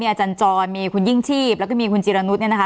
อาจารย์จรมีคุณยิ่งชีพแล้วก็มีคุณจิรนุษย์เนี่ยนะคะ